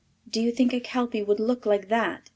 "Do you think a kelpy would look like that?"